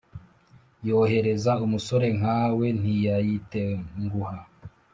yohereza umusore nkawe ntiyayitenguha,